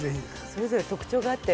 それぞれ特徴があって。